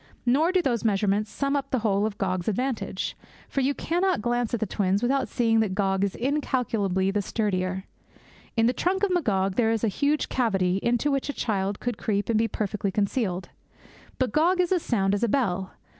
Nor do these measurements sum up the whole of Gog's advantage. For you cannot glance at the twins without seeing that Gog is incalculably the sturdier. In the trunk of Magog there is a huge cavity into which a child could creep and be perfectly concealed; but Gog is as sound as a bell.